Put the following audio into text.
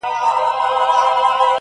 په اوومه ورځ موضوع له کوره بهر خپرېږي,